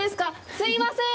すいません！